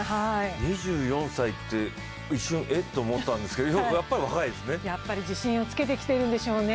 ２４歳って一瞬えって思ったんですけど、やっぱり若いですね。